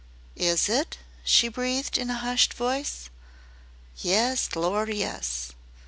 "Is it?" she breathed in a hushed voice. "Yes, Lor', yes!